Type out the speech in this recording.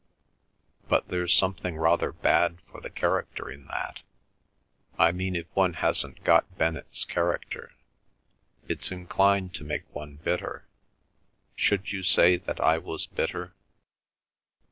But there's something rather bad for the character in that—I mean if one hasn't got Bennett's character. It's inclined to make one bitter. Should you say that I was bitter?"